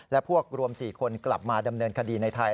และพวกรวม๔คนกลับมาดำเนินคดีในไทย